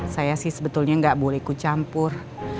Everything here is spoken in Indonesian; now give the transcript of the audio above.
saya sih sebetulnya nggak boleh kucampur